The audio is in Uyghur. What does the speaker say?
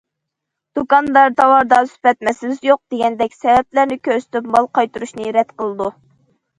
دۇكاندار‹‹ تاۋاردا سۈپەت مەسىلىسى يوق›› دېگەندەك سەۋەبلەرنى كۆرسىتىپ، مال قايتۇرۇشنى رەت قىلىدۇ.